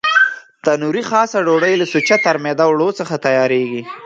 تنوري خاصه ډوډۍ له سوچه ترمیده اوړو څخه تیارېږي.